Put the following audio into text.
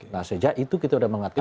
nah sejak itu kita sudah mengatakan